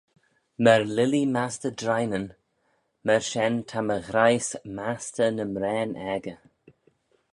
Myr lilee mastey drineyn, myr shen ta my ghraih's mastey ny mraane aegey.